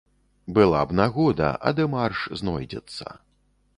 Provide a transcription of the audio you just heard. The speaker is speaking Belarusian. Была б нагода, а дэмарш знойдзецца.